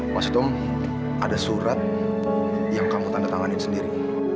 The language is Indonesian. mas itu ada surat yang kamu tanda tanganin sendiri